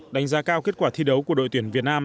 đánh giá cao kết quả thi đấu của đội tuyển việt nam